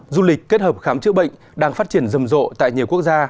du lịch kết hợp khám chữa bệnh đang phát triển rầm rộ tại nhiều quốc gia